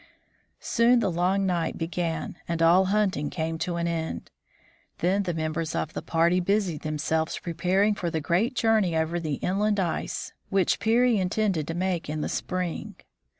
Soon the long night began and all hunting came to an end. Then the members of the party busied themselves prepar ing for the great journey over the inland ice which Peary intended to make in the spring.